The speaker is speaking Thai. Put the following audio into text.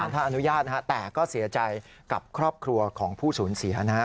สารทะอนุญาตนะครับแต่ก็เสียใจกับครอบครัวของผู้สูญเสียนะครับ